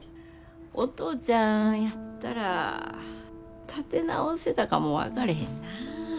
お父ちゃんやったら立て直せたかも分かれへんな。